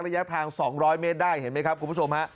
ระยะทาง๒๐๐เมตรได้เห็นไหมครับคุณผู้ชมฮะ